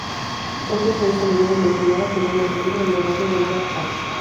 Dickinson es a menudo mencionada como una miembro honoraria del Rat Pack.